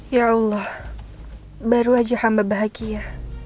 ya allah baru aja hamba bahagia